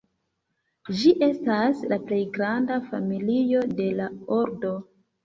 Ĝi estas la plej granda familio de la ordo.